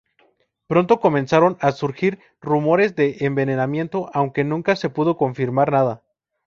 Pronto comenzaron a surgir rumores de envenenamiento, aunque nunca se pudo confirmar nada.